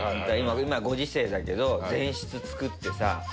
今ご時世だけど前室つくってさ。